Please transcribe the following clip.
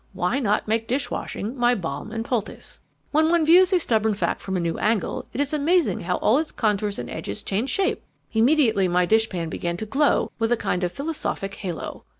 Why not make dish washing my balm and poultice? "When one views a stubborn fact from a new angle, it is amazing how all its contours and edges change shape! Immediately my dishpan began to glow with a kind of philosophic halo!